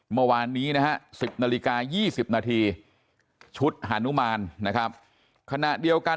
เมื่อวานนี้นะฮะ๑๐นาฬิกา๒๐นาทีชุดฮานุมานนะครับขณะเดียวกัน